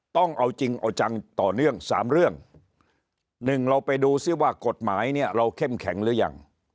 ต้องเอาจริงเอาจังต่อเนื่องสามเรื่องหนึ่งเราไปดูซิว่ากฎหมายเนี่ยเราเข้มแข็งหรือยัง